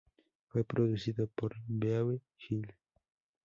Fue producido por Beau Hill.